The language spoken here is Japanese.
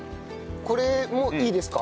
これもういいですか？